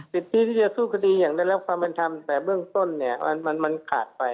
สิทธีที่จะสู้คติอย่างเดิมแล้วความเป็นทำแต่เรื่องต้นเนี่ยมันขาดไป